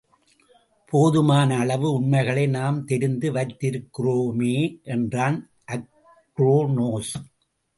போதுமான அளவு, உண்மைகளை நாம் தெரிந்து வைத்திருக்கிறோமே! என்றான் அக்ரோனோஸ்.